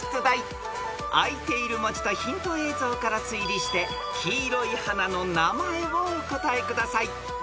［あいている文字とヒント映像から推理して黄色い花の名前をお答えください］